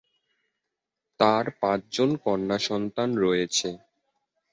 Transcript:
তার পাঁচজন কন্যা সন্তান রয়েছে।